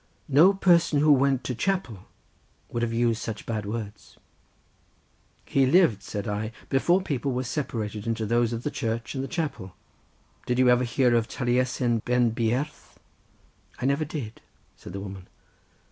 "No person who went to chapel would have used such bad words." "He lived," said I, "before people were separated into those of the Church, and the chapel; did you ever hear of Taliesin Ben Beirdd?" "I never did," said the woman.